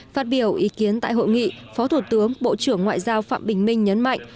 phát biểu ý kiến tại hội nghị phó thủ tướng bộ trưởng ngoại giao phạm bình minh nhấn mạnh